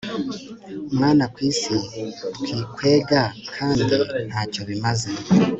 Mwana kwisi twikwega kandi ntacyo bimaze